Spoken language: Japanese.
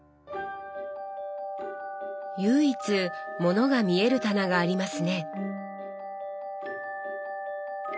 唯一物が見える棚がありますね。